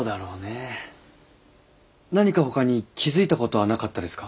何かほかに気付いたことはなかったですか？